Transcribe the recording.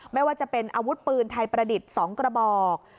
ไม่ว่าจะเป็นอาวุธปืนไทยประดิษฐ์๒กระบอก